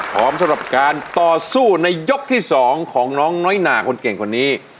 สำหรับการต่อสู้ในยกที่๒ของน้องน้อยหนาคนเก่งคนนี้